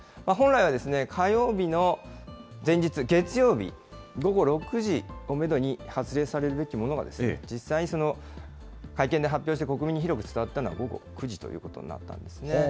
本来は、火曜日の前日、月曜日午後６時をメドに発令されるべきものが、実際に会見で発表して、国民に広く伝わったのは、午後９時ということになったんですね。